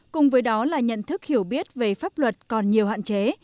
cùng với đó là nhận thức hiểu biết về pháp luật còn nhiều hạn chế